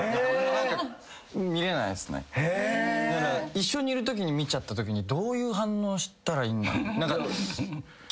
一緒にいるときに見ちゃったときにどういう反応したらいい。